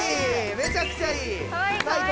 めちゃくちゃいい最高。